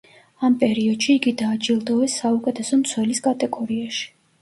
ამ პერიოდში იგი დააჯილდოვეს საუკეთესო მცველის კატეგორიაში.